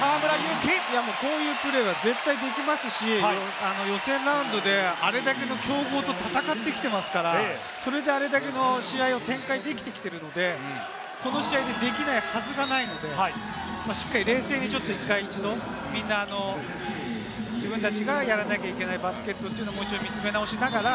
こういうプレーは絶対できますし、予選ラウンドであれだけの強豪と戦ってきていますから、それだけの試合ができているので、この試合でできないはずがないので、しっかり冷静に、一度みんな自分たちがやらなきゃいけないバスケットというのを見つめ直しながら。